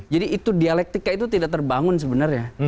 jadi itu dialektika itu tidak terbangun sebenarnya